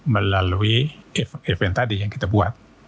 melalui event tadi yang kita buat